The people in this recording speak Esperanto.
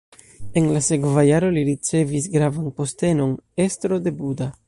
En la sekva jaro li ricevis gravan postenon: estro de Buda.